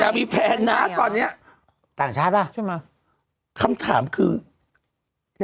นางมีแฟนนะตอนนี้ต่างชาติป่ะใช่ไหมคำถามคือนางมีแฟนนะ